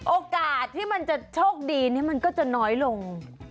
โอกาสที่มันจะโชคดีมันก็จะน้อยลง